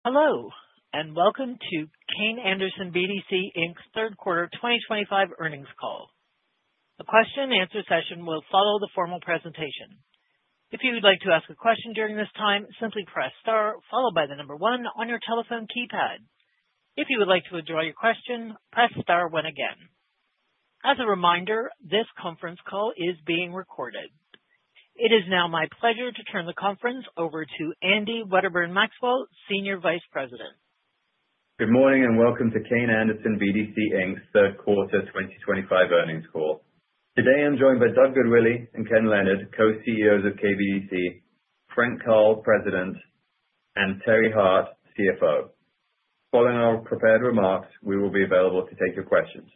Hello, welcome to Kayne Anderson BDC, Inc.'s Q3 2025 earnings call. A question and answer session will follow the formal presentation. If you would like to ask a question during this time, simply press * followed by the number 1 on your telephone keypad. If you would like to withdraw your question, press * 1 again. As a reminder, this conference call is being recorded. It is now my pleasure to turn the conference over to Andy Wedderburn-Maxwell, Senior Vice President. Good morning, welcome to Kayne Anderson BDC Inc.'s Q3 2025 earnings call. Today I'm joined by Doug Goodwillie and Ken Leonard, Co-CEOs of KBDC, Frank Karl, President, and Terry Hart, CFO. Following our prepared remarks, we will be available to take your questions.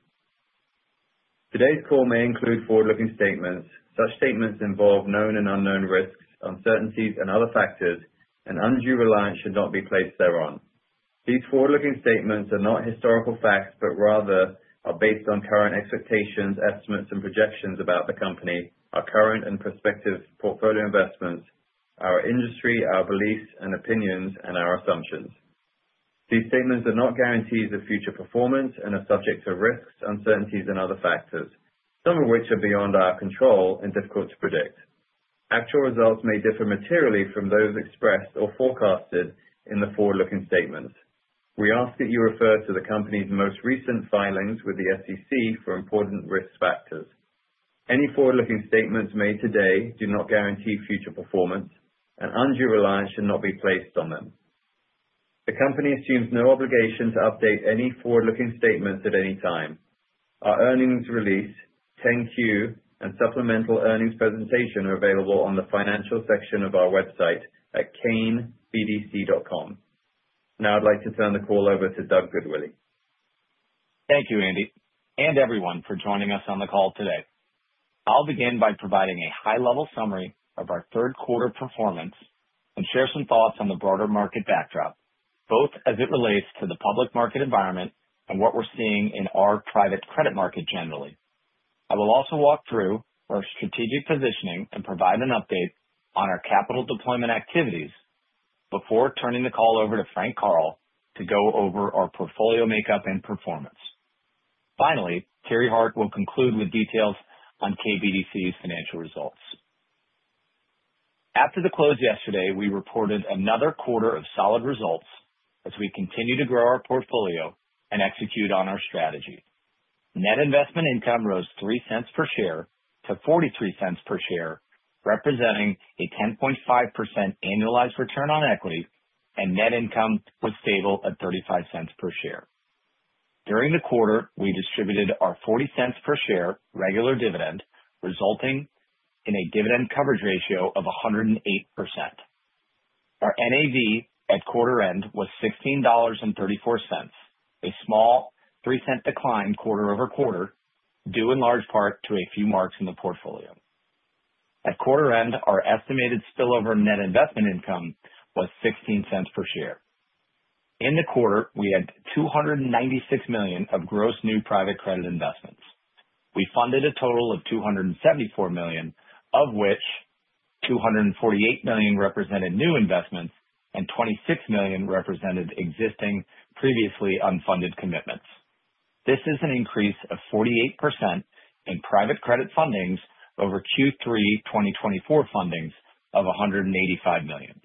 Today's call may include forward-looking statements. Such statements involve known and unknown risks, uncertainties, and other factors, undue reliance should not be placed thereon. These forward-looking statements are not historical facts, rather are based on current expectations, estimates, and projections about the company, our current and prospective portfolio investments, our industry, our beliefs and opinions, and our assumptions. These statements are not guarantees of future performance and are subject to risks, uncertainties, and other factors, some of which are beyond our control and difficult to predict. Actual results may differ materially from those expressed or forecasted in the forward-looking statements. We ask that you refer to the company's most recent filings with the SEC for important risk factors. Any forward-looking statements made today do not guarantee future performance and undue reliance should not be placed on them. The company assumes no obligation to update any forward-looking statements at any time. Our earnings release, 10-Q, and supplemental earnings presentation are available on the financial section of our website at kaynebdc.com. Now I'd like to turn the call over to Doug Goodwillie. Thank you, Andy, and everyone for joining us on the call today. I'll begin by providing a high-level summary of our Q3 performance and share some thoughts on the broader market backdrop, both as it relates to the public market environment and what we're seeing in our private credit market generally. I will also walk through our strategic positioning and provide an update on our capital deployment activities before turning the call over to Frank Karl to go over our portfolio makeup and performance. Finally, Terry Hart will conclude with details on KBDC's financial results. After the close yesterday, we reported another quarter of solid results as we continue to grow our portfolio and execute on our strategy. Net investment income rose $0.03 per share to $0.43 per share, representing a 10.5% annualized return on equity, and net income was stable at $0.35 per share. During the quarter, we distributed our $0.40 per share regular dividend, resulting in a dividend coverage ratio of 108%. Our NAV at quarter end was $16.34, a small $0.03 decline quarter-over-quarter, due in large part to a few marks in the portfolio. At quarter end, our estimated spillover net investment income was $0.16 per share. In the quarter, we had $296 million of gross new private credit investments. We funded a total of $274 million, of which $248 million represented new investments and $26 million represented existing previously unfunded commitments. This is an increase of 48% in private credit fundings over Q3 2024 fundings of $185 million.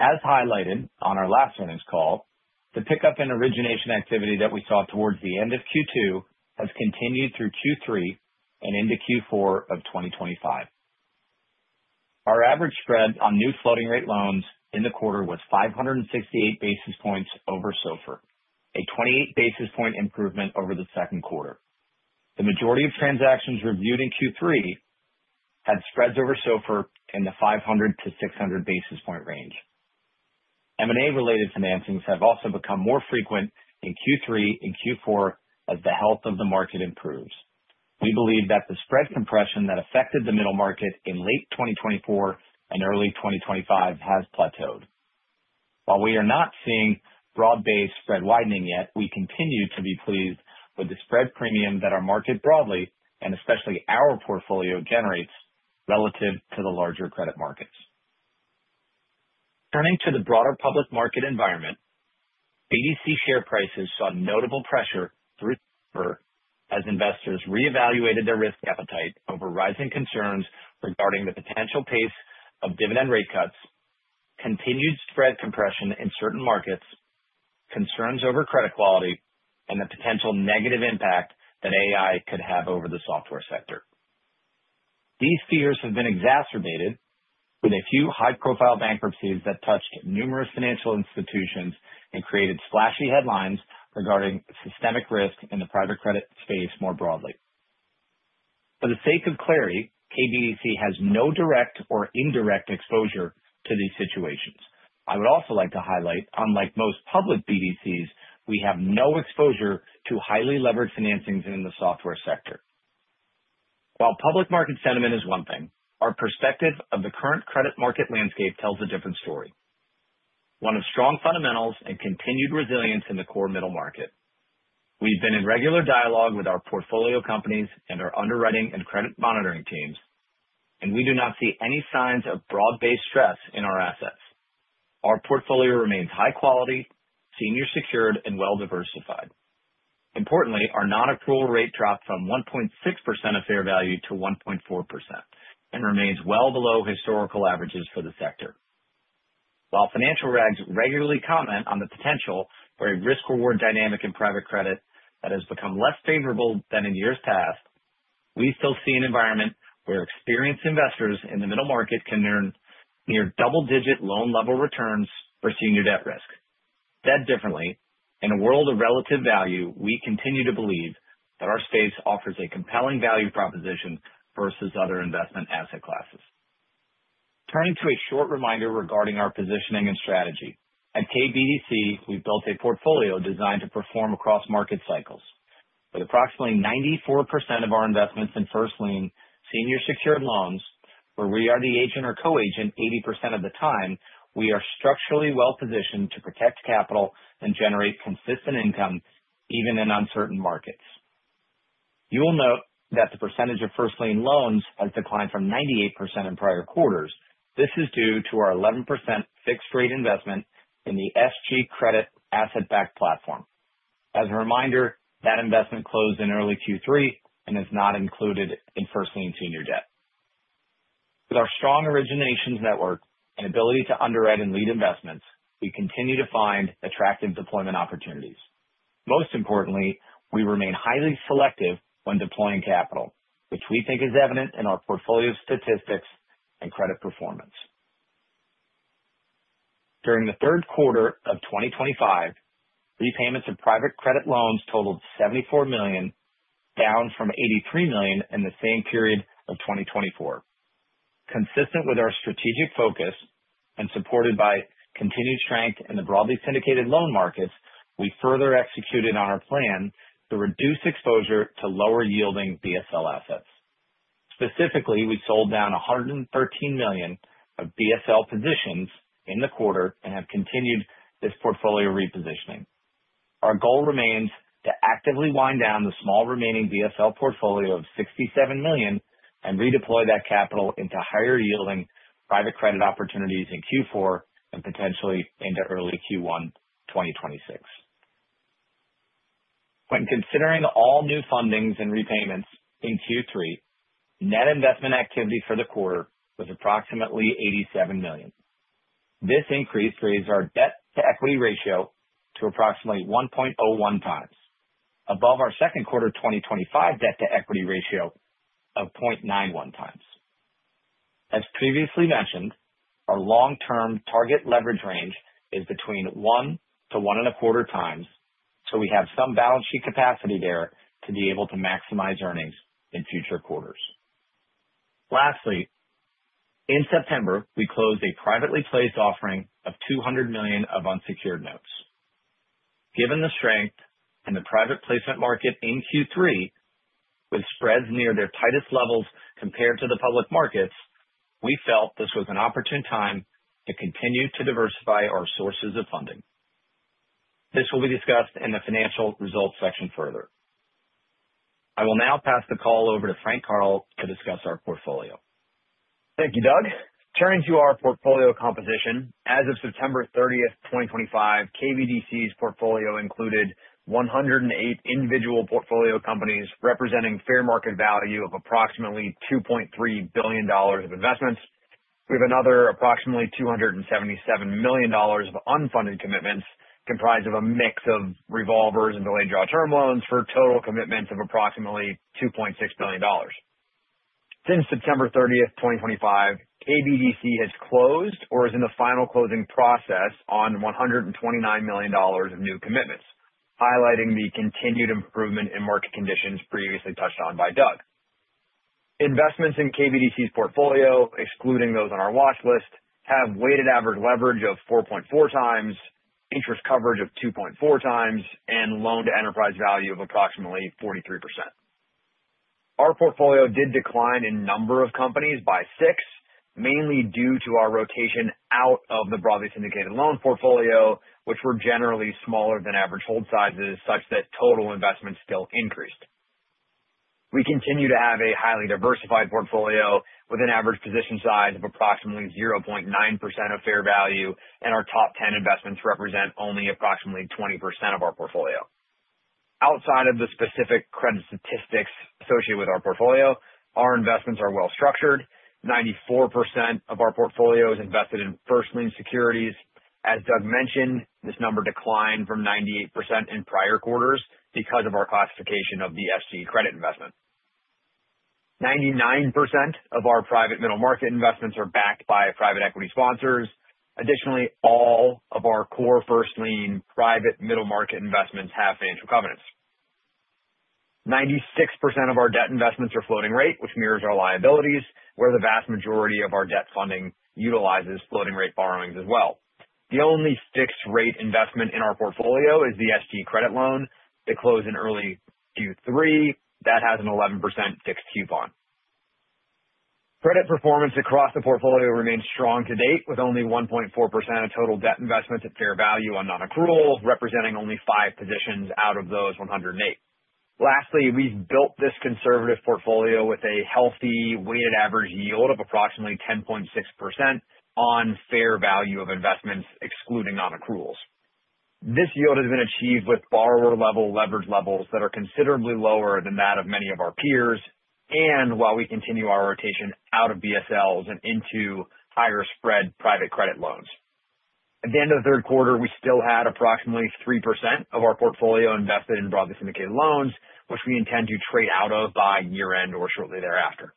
As highlighted on our last earnings call, the pickup in origination activity that we saw towards the end of Q2 has continued through Q3 and into Q4 of 2025. Our average spread on new floating rate loans in the quarter was 568 basis points over SOFR, a 28 basis point improvement over the Q2. The majority of transactions reviewed in Q3 had spreads over SOFR in the 500-600 basis point range. M&A related financings have also become more frequent in Q3 and Q4 as the health of the market improves. We believe that the spread compression that affected the middle market in late 2024 and early 2025 has plateaued. While we are not seeing broad-based spread widening yet, we continue to be pleased with the spread premium that our market broadly, and especially our portfolio generates relative to the larger credit markets. Turning to the broader public market environment, BDC share prices saw notable pressure through SOFR as investors reevaluated their risk appetite over rising concerns regarding the potential pace of dividend rate cuts, continued spread compression in certain markets, concerns over credit quality, and the potential negative impact that AI could have over the software sector. These fears have been exacerbated with a few high-profile bankruptcies that touched numerous financial institutions and created splashy headlines regarding systemic risk in the private credit space more broadly. For the sake of clarity, KBDC has no direct or indirect exposure to these situations. I would also like to highlight, unlike most public BDCs, we have no exposure to highly leveraged financings in the software sector. Public market sentiment is 1 thing, our perspective of the current credit market landscape tells a different story, one of strong fundamentals and continued resilience in the core middle market. We've been in regular dialogue with our portfolio companies and our underwriting and credit monitoring teams. We do not see any signs of broad-based stress in our assets. Our portfolio remains high quality, senior secured, and well-diversified. Importantly, our non-accrual rate dropped from 1.6% of fair value to 1.4% and remains well below historical averages for the sector. While financial rags regularly comment on the potential for a risk-reward dynamic in private credit that has become less favorable than in years past, we still see an environment where experienced investors in the middle market can earn near double-digit loan level returns for senior debt risk. Said differently, in a world of relative value, we continue to believe that our space offers a compelling value proposition versus other investment asset classes. Turning to a short reminder regarding our positioning and strategy. At KBDC, we've built a portfolio designed to perform across market cycles. With approximately 94% of our investments in 1st lien senior secured loans where we are the agent or co-agent 80% of the time, we are structurally well positioned to protect capital and generate consistent income even in uncertain markets. You will note that the percentage of 1st lien loans has declined from 98% in prior quarters. This is due to our 11% fixed rate investment in the SG Credit asset-backed platform. As a reminder, that investment closed in early Q3 and is not included in 1st lien senior debt. With our strong originations network and ability to underwrite and lead investments, we continue to find attractive deployment opportunities. Most importantly, we remain highly selective when deploying capital, which we think is evident in our portfolio statistics and credit performance. During the Q3 of 2025, repayments of private credit loans totaled $74 million, down from $83 million in the same period of 2024. Consistent with our strategic focus and supported by continued strength in the broadly syndicated loan markets, we further executed on our plan to reduce exposure to lower yielding BSL assets. Specifically, we sold down $113 million of BSL positions in the quarter and have continued this portfolio repositioning. Our goal remains to actively wind down the small remaining BSL portfolio of $67 million and redeploy that capital into higher yielding private credit opportunities in Q4 and potentially into early Q1 2026. When considering all new fundings and repayments in Q3, net investment activity for the quarter was approximately $87 million. This increase raised our debt-to-equity ratio to approximately 1.01 times, above our Q2 2025 debt-to-equity ratio of 0.91 times. As previously mentioned, our long-term target leverage range is between 1 to 1.25 times, so we have some balance sheet capacity there to be able to maximize earnings in future quarters. Lastly, in September, we closed a privately placed offering of $200 million of unsecured notes. Given the strength in the private placement market in Q3 with spreads near their tightest levels compared to the public markets, we felt this was an opportune time to continue to diversify our sources of funding. This will be discussed in the financial results section further. I will now pass the call over to Frank Karl to discuss our portfolio. Thank you, Doug. Turning to our portfolio composition. As of September 30, 2025, KBDC's portfolio included 108 individual portfolio companies representing fair market value of approximately $2.3 billion of investments. We have another approximately $277 million of unfunded commitments comprised of a mix of revolvers and delayed draw term loans for a total commitment of approximately $2.6 billion. Since September 30, 2025, KBDC has closed or is in the final closing process on $129 million of new commitments, highlighting the continued improvement in market conditions previously touched on by Doug. Investments in KBDC's portfolio, excluding those on our watch list, have weighted average leverage of 4.4x, interest coverage of 2.4x, and loan to enterprise value of approximately 43%. Our portfolio did decline in number of companies by 6, mainly due to our rotation out of the broadly syndicated loan portfolio, which were generally smaller than average hold sizes such that total investments still increased. We continue to have a highly diversified portfolio with an average position size of approximately 0.9% of fair value, and our top 10 investments represent only approximately 20% of our portfolio. Outside of the specific credit statistics associated with our portfolio, our investments are well structured. 94% of our portfolio is invested in 1st lien securities. As Doug mentioned, this number declined from 98% in prior quarters because of our classification of the SG Credit investment. 99% of our private middle market investments are backed by private equity sponsors. Additionally, all of our core 1st lien private middle market investments have financial covenants. 96% of our debt investments are floating rate, which mirrors our liabilities, where the vast majority of our debt funding utilizes floating rate borrowings as well. The only fixed rate investment in our portfolio is the SG Credit loan that closed in early Q3. That has an 11% fixed coupon. Credit performance across the portfolio remains strong to date, with only 1.4% of total debt investments at fair value on non-accrual, representing only 5 positions out of those 108. Lastly, we've built this conservative portfolio with a healthy weighted average yield of approximately 10.6% on fair value of investments excluding non-accruals. This yield has been achieved with borrower level leverage levels that are considerably lower than that of many of our peers, and while we continue our rotation out of BSLs and into higher spread private credit loans. At the end of the Q3, we still had approximately 3% of our portfolio invested in broadly syndicated loans, which we intend to trade out of by year-end or shortly thereafter.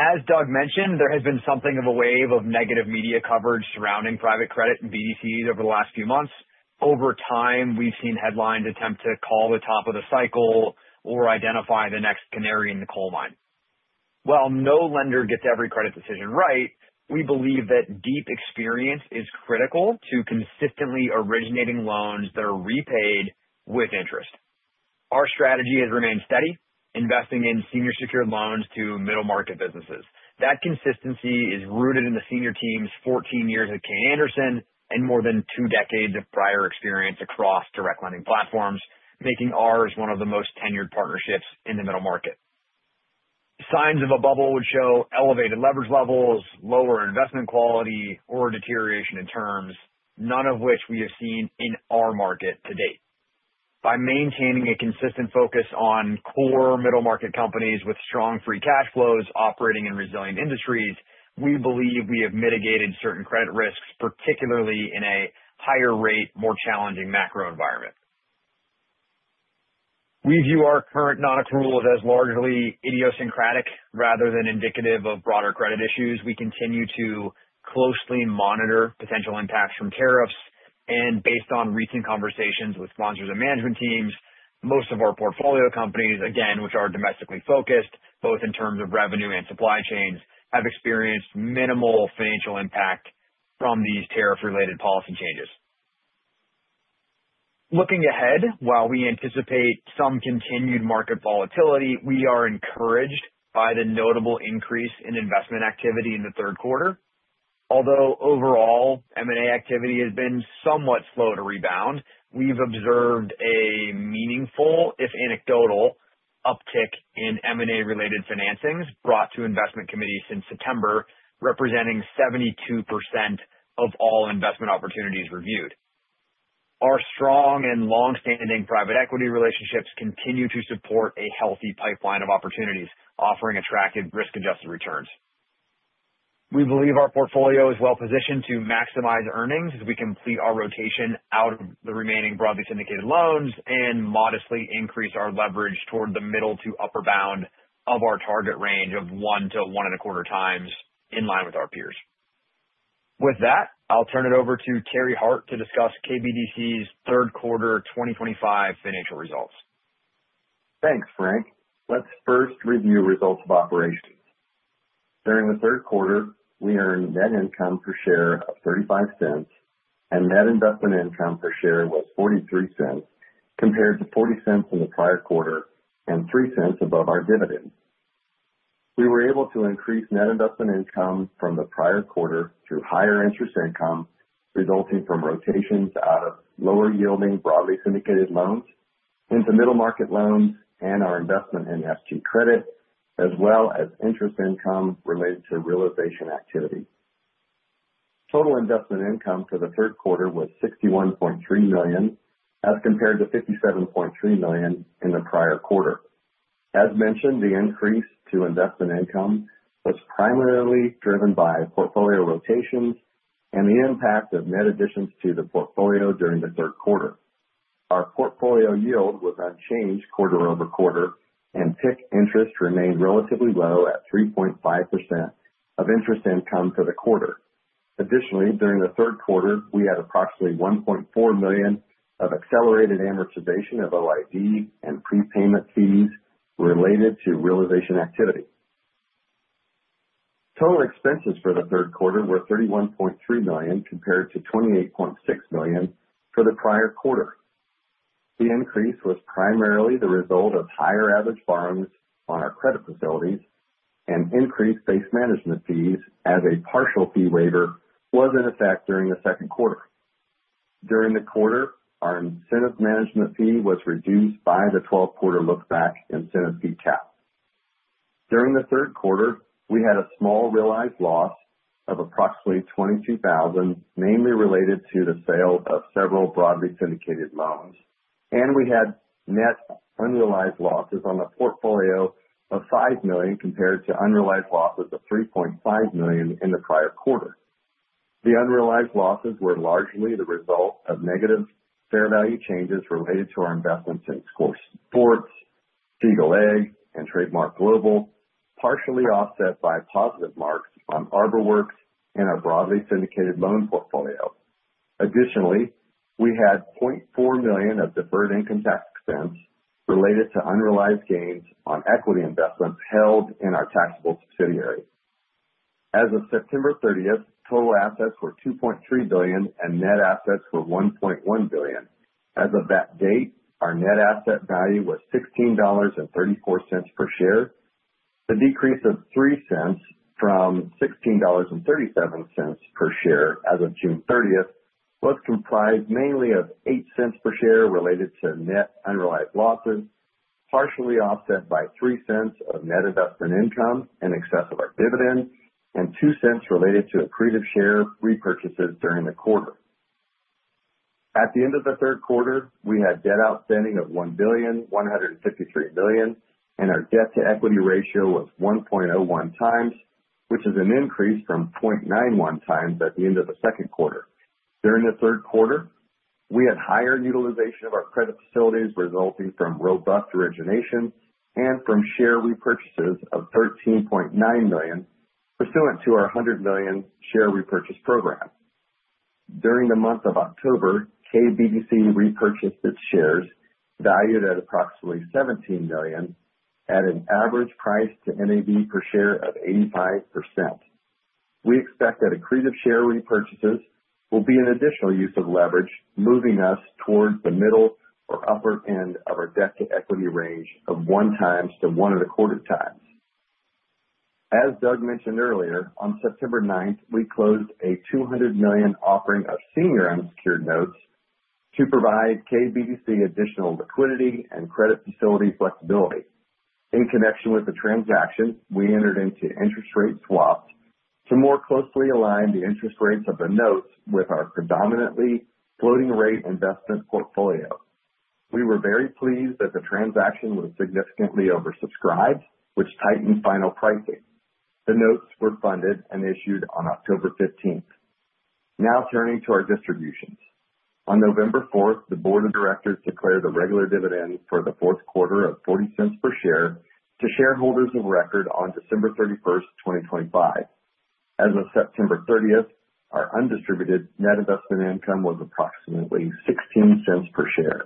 As Doug mentioned, there has been something of a wave of negative media coverage surrounding private credit and BDCs over the last few months. Over time, we've seen headlines attempt to call the top of the cycle or identify the next canary in the coal mine. While no lender gets every credit decision right, we believe that deep experience is critical to consistently originating loans that are repaid with interest. Our strategy has remained steady, investing in senior secured loans to middle market businesses. That consistency is rooted in the senior team's 14 years at Kayne Anderson and more than 2 decades of prior experience across direct lending platforms, making ours one of the most tenured partnerships in the middle market. Signs of a bubble would show elevated leverage levels, lower investment quality or deterioration in terms, none of which we have seen in our market to date. By maintaining a consistent focus on core middle market companies with strong free cash flows operating in resilient industries, we believe we have mitigated certain credit risks, particularly in a higher rate, more challenging macro environment. We view our current non-accruals as largely idiosyncratic rather than indicative of broader credit issues. We continue to closely monitor potential impacts from tariffs and based on recent conversations with sponsors and management teams, most of our portfolio companies, again, which are domestically focused both in terms of revenue and supply chains, have experienced minimal financial impact from these tariff-related policy changes. Looking ahead, while we anticipate some continued market volatility, we are encouraged by the notable increase in investment activity in the Q3. Although overall M&A activity has been somewhat slow to rebound, we've observed a meaningful, if anecdotal, uptick in M&A related financings brought to investment committees since September, representing 72% of all investment opportunities reviewed. Our strong and long-standing private equity relationships continue to support a healthy pipeline of opportunities, offering attractive risk-adjusted returns. We believe our portfolio is well positioned to maximize earnings as we complete our rotation out of the remaining broadly syndicated loans and modestly increase our leverage toward the middle to upper bound of our target range of 1x-1.25x in line with our peers. With that, I'll turn it over to Terry Hart to discuss KBDC's Q3 2025 financial results. Thanks, Frank Karl. Let's first review results of operations. During the Q3, we earned net income per share of $0.35, and net investment income per share was $0.43 compared to $0.40 in the prior quarter and $0.03 above our dividend. We were able to increase net investment income from the prior quarter through higher interest income, resulting from rotations out of lower yielding broadly syndicated loans into middle market loans and our investment in SG Credit, as well as interest income related to realization activity. Total investment income for the Q3 was $61.3 million as compared to $57.3 million in the prior quarter. As mentioned, the increase to investment income was primarily driven by portfolio rotations and the impact of net additions to the portfolio during the Q3. Our portfolio yield was unchanged quarter-over-quarter, and PIK interest remained relatively low at 3.5% of interest income for the quarter. Additionally, during the Q3, we had approximately $1.4 million of accelerated amortization of OID and prepayment fees related to realization activity. Total expenses for the Q3 were $31.3 million, compared to $28.6 million for the prior quarter. The increase was primarily the result of higher average borrowings on our credit facilities and increased base management fees as a partial fee waiver was in effect during the Q2. During the quarter, our incentive management fee was reduced by the 12-quarter look-back incentive fee cap. During the Q3, we had a small realized loss of approximately $22,000, mainly related to the sale of several broadly syndicated loans. We had net unrealized losses on the portfolio of $5 million, compared to unrealized losses of $3.5 million in the prior quarter. The unrealized losses were largely the result of negative fair value changes related to our investments in SCORE Sports, Siegel Egg, and Trademark Global, partially offset by positive marks on ArborWorks and our broadly syndicated loan portfolio. Additionally, we had $0.4 million of deferred income tax expense related to unrealized gains on equity investments held in our taxable subsidiary. As of September 30th, total assets were $2.3 billion and net assets were $1.1 billion. As of that date, our net asset value was $16.34 per share. The decrease of $0.03 from $16.37 per share as of June 30th was comprised mainly of $0.08 per share related to net unrealized losses, partially offset by $0.03 of net investment income in excess of our dividend and $0.02 related to accretive share repurchases during the quarter. At the end of the Q3, we had debt outstanding of $1 billion $153 million, and our debt-to-equity ratio was 1.01 times, which is an increase from 0.91 times at the end of the Q2. During the Q3, we had higher utilization of our credit facilities resulting from robust origination and from share repurchases of $13.9 million pursuant to our $100 million share repurchase program. During the month of October, KBDC repurchased its shares valued at approximately $17 million at an average price to NAV per share of 85%. We expect that accretive share repurchases will be an additional use of leverage, moving us towards the middle or upper end of our debt-to-equity range of 1x-1.25x. As Doug mentioned earlier, on September 9th, we closed a $200 million offering of senior unsecured notes to provide KBDC additional liquidity and credit facility flexibility. In connection with the transaction, we entered into interest rate swaps to more closely align the interest rates of the notes with our predominantly floating rate investment portfolio. We were very pleased that the transaction was significantly oversubscribed, which tightened final pricing. The notes were funded and issued on October 15th. Turning to our distributions. On November 4th, the board of directors declared a regular dividend for the Q4 of $0.40 per share to shareholders of record on December 31st, 2025. As of September 30th, our undistributed net investment income was approximately $0.16 per share.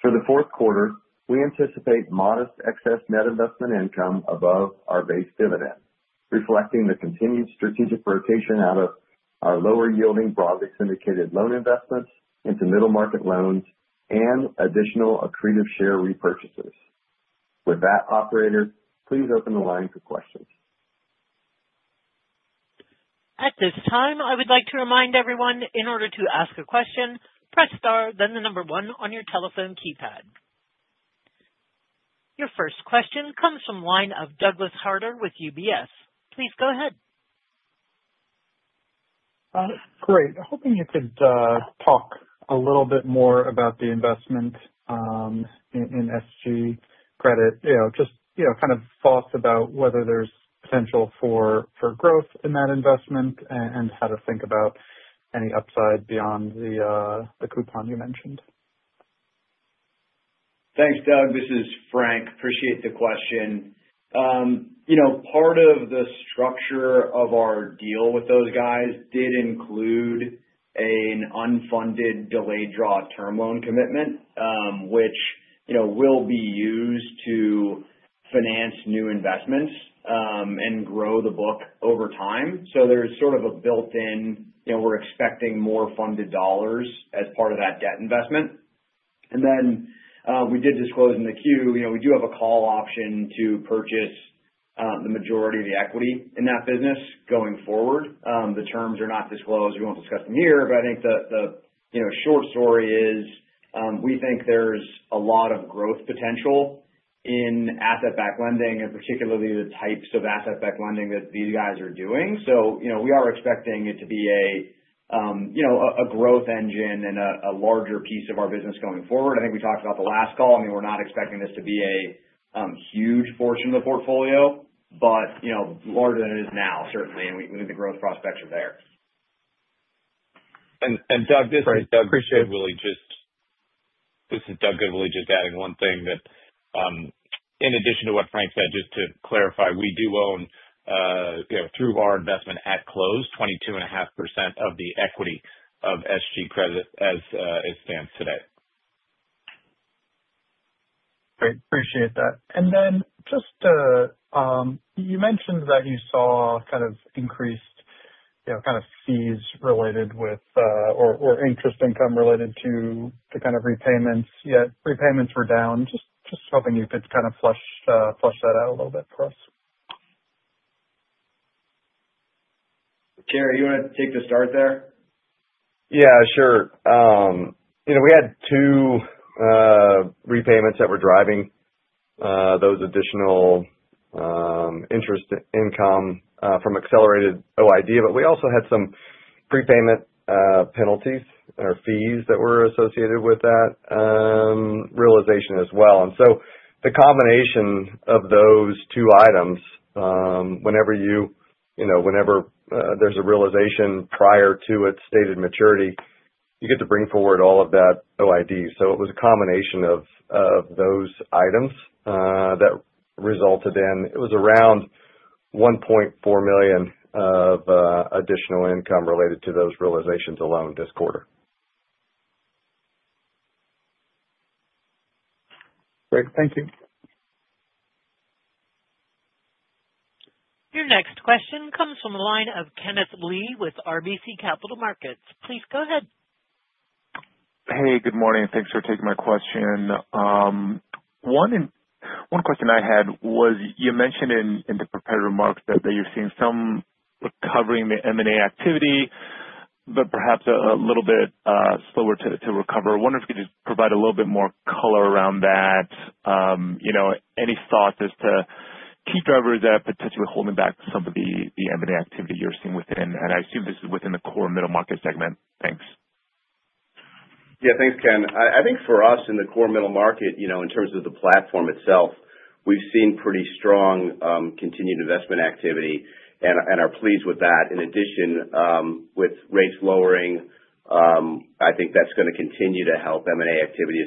For the Q4, we anticipate modest excess net investment income above our base dividend, reflecting the continued strategic rotation out of our lower yielding broadly syndicated loan investments into middle market loans and additional accretive share repurchases. Operator, please open the line for questions. At this time, I would like to remind everyone, in order to ask a question, press * then the number 1 on your telephone keypad. Your 1st question comes from line of Douglas Harter with UBS. Please go ahead. Great. Hoping you could talk a little bit more about the investment in SG Credit. You know, just, you know, kind of thoughts about whether there's potential for growth in that investment and how to think about any upside beyond the coupon you mentioned. Thanks, Doug. This is Frank Karl. Appreciate the question. You know, part of the structure of our deal with those guys did include an unfunded delayed draw term loan commitment, which, you know, will be used to finance new investments, and grow the book over time. There's sort of a built-in, you know, we're expecting more funded dollars as part of that debt investment. We did disclose in the 10-Q, you know, we do have a call option to purchase, the majority of the equity in that business going forward. The terms are not disclosed. We won't discuss them here. I think the, you know, short story is, we think there's a lot of growth potential in asset-backed lending and particularly the types of asset-backed lending that these guys are doing. You know, we are expecting it to be a, you know, a growth engine and a larger piece of our business going forward. I think we talked about the last call. I mean, we're not expecting this to be a huge portion of the portfolio, but, you know, larger than it is now, certainly. We think growth prospects are there. Doug, this is. Right. Appreciate it. This is Douglas Goodwillie just adding 1 thing that, in addition to what Frank said, just to clarify, we do own, you know, through our investment at close, 22.5% of the equity of SG Credit as it stands today. Great. Appreciate that. Then just to, you mentioned that you saw kind of increased, you know, kind of fees related with, or interest income related to the kind of repayments, yet repayments were down. Just hoping you could kind of flush that out a little bit for us? Terry, you wanna take the start there? Sure. You know, we had 2 repayments that were driving those additional interest income from accelerated OID, but we also had some prepayment penalties or fees that were associated with that realization as well. The combination of those 2 items, whenever you know, whenever there's a realization prior to its stated maturity, you get to bring forward all of that OID. It was a combination of those items that resulted in. It was around $1.4 million of additional income related to those realizations alone this quarter. Great. Thank you. Your next question comes from the line of Kenneth Lee with RBC Capital Markets. Please go ahead. Hey, good morning. Thanks for taking my question. 1 question I had was you mentioned in the prepared remarks that you're seeing some recovery in the M&A activity, but perhaps a little bit slower to recover. I wonder if you could just provide a little bit more color around that. You know, any thoughts as to key drivers that are potentially holding back some of the M&A activity you're seeing within. I assume this is within the core middle market segment. Thanks. Thanks, Ken. I think for us in the core middle market, you know, in terms of the platform itself, we've seen pretty strong continued investment activity and are pleased with that. With rates lowering, I think that's gonna continue to help M&A activity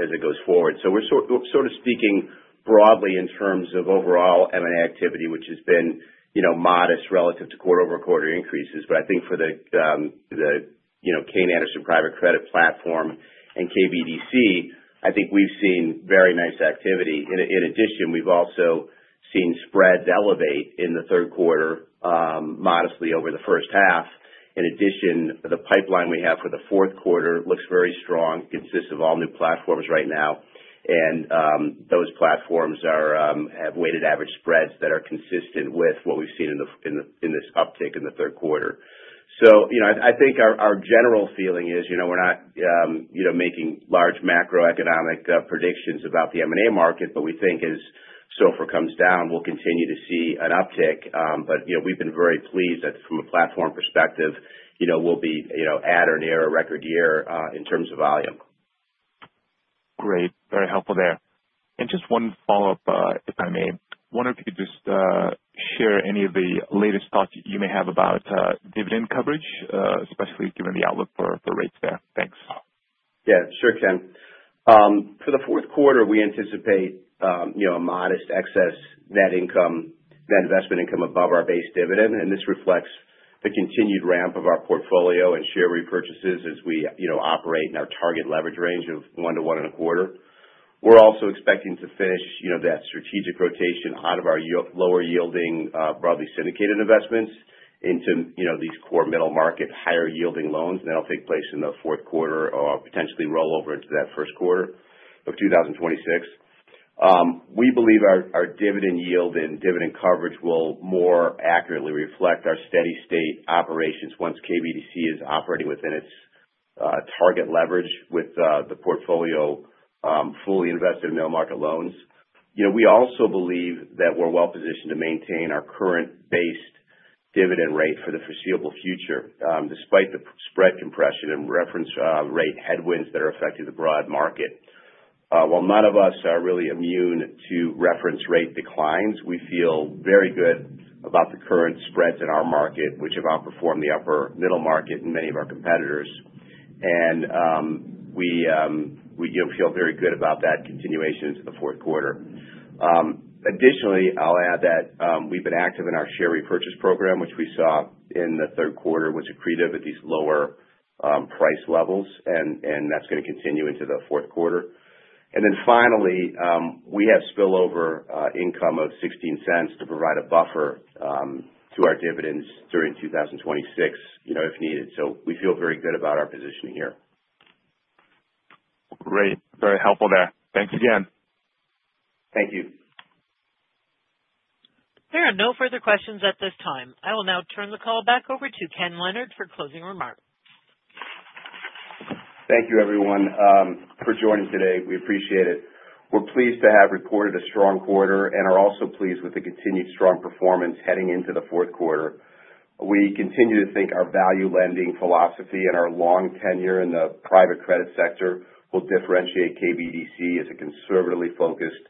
as it goes forward. We're sort of speaking broadly in terms of overall M&A activity, which has been, you know, modest relative to quarter-over-quarter increases. I think for the, you know, Kayne Anderson Private Credit platform and KBDC, I think we've seen very nice activity. In addition, we've also seen spreads elevate in the Q3 modestly over the H1. The pipeline we have for the Q4 looks very strong. Consists of all new platforms right now. Those platforms are have weighted average spreads that are consistent with what we've seen in this uptick in the Q3. You know, I think our general feeling is, you know, we're not, you know, making large macroeconomic predictions about the M&A market, but we think as SOFR comes down, we'll continue to see an uptick. You know, we've been very pleased that from a platform perspective, you know, we'll be, you know, at or near a record year in terms of volume. Great. Very helpful there. Just 1 follow-up, if I may. Wondering if you could just share any of the latest thoughts you may have about dividend coverage, especially given the outlook for rates there. Thanks. Sure, Ken. For the Q4, we anticipate, you know, a modest excess net income, net investment income above our base dividend. This reflects the continued ramp of our portfolio and share repurchases as we, you know, operate in our target leverage range of 1 to 1.25. We're also expecting to finish, you know, that strategic rotation out of our lower yielding, broadly syndicated investments into, you know, these core middle market higher yielding loans. That'll take place in the Q4 or potentially roll over into that Q1 of 2026. We believe our dividend yield and dividend coverage will more accurately reflect our steady state operations once KBDC is operating within its target leverage with the portfolio, fully invested in middle market loans. You know, we also believe that we're well-positioned to maintain our current base dividend rate for the foreseeable future, despite the spread compression and reference rate headwinds that are affecting the broad market. While none of us are really immune to reference rate declines, we feel very good about the current spreads in our market, which have outperformed the upper middle market and many of our competitors. We do feel very good about that continuation into the Q4. Additionally, I'll add that we've been active in our share repurchase program, which we saw in the Q3 was accretive at these lower price levels. That's gonna continue into the Q4. Finally, we have spillover income of $0.16 to provide a buffer to our dividends during 2026, you know, if needed. We feel very good about our positioning here. Great. Very helpful there. Thanks again. Thank you. There are no further questions at this time. I will now turn the call back over to Kenneth Leonard for closing remarks. Thank you, everyone, for joining today. We appreciate it. We're pleased to have reported a strong quarter and are also pleased with the continued strong performance heading into the Q4. We continue to think our value lending philosophy and our long tenure in the private credit sector will differentiate KBDC as a conservatively focused,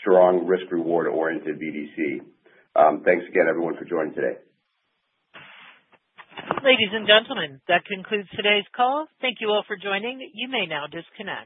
strong risk-reward oriented BDC. Thanks again, everyone, for joining today. Ladies and gentlemen, that concludes today's call. Thank you all for joining. You may now disconnect.